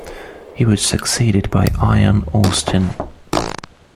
He was succeeded by Ian Austin.